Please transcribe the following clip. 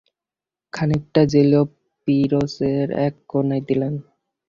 খানিকটা জেলিও পিরচের এক কোণায় দিলেন।